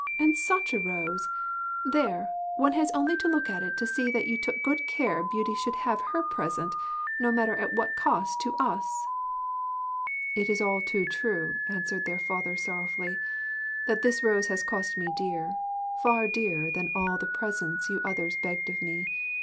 and such a rose! There one has only to look at it to see that you took good care Beauty should have her present, no matter at what cost to us!' 'It is all too true,' answered their father sorrowfully, 'that this rose has cost me dear far dearer than all the presents you others begged of me.